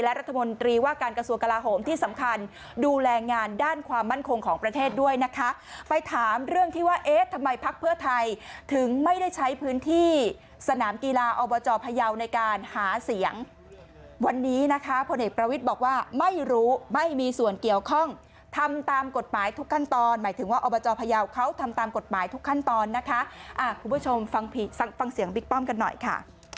รัฐมนตรีว่าการกระทรวงกลาโหมที่สำคัญดูแลงานด้านความมั่นคงของประเทศด้วยนะคะไปถามเรื่องที่ว่าเอ๊ะทำไมพักเพื่อไทยถึงไม่ได้ใช้พื้นที่สนามกีฬาอบจพยาวในการหาเสียงวันนี้นะคะพลเอกประวิทย์บอกว่าไม่รู้ไม่มีส่วนเกี่ยวข้องทำตามกฎหมายทุกขั้นตอนหมายถึงว่าอบจพยาวเขาทำตามกฎหมายทุกขั้นตอนนะคะคุณผู้ชมฟังฟังเสียงบิ๊กป้อมกันหน่อยค่ะ